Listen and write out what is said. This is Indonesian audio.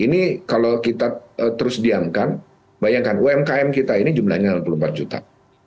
ini kalau kita terus diamkan bayangkan umkm kita ini jumlahnya enam puluh empat juta